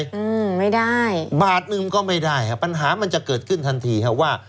อืมไม่ได้บาทหนึ่งก็ไม่ได้ครับปัญหามันจะเกิดขึ้นทันทีครับว่า